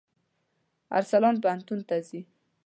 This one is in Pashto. ارسلان پوهنتون ته ځي.